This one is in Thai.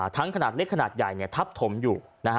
ทั้งขนาดเล็กขนาดใหญ่ทับถมอยู่นะฮะ